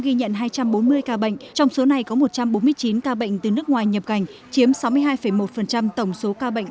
ghi nhận hai trăm bốn mươi ca bệnh trong số này có một trăm bốn mươi chín ca bệnh từ nước ngoài nhập cảnh chiếm sáu mươi hai một tổng số ca bệnh